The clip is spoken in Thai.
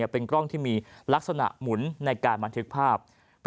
เป็นกล้องที่มีลักษณะหมุนในการบันทึกภาพ